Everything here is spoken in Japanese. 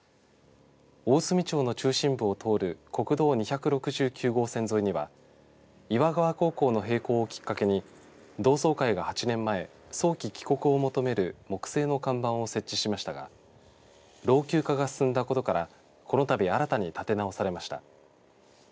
大隅町の中心部を通る国道２６９号線沿いには岩川高校の閉校をきっかけに同窓会が８年前早期帰国を求める木製の看板を設置しましたが老朽化が進んだことからこのたび新たに立て直されました。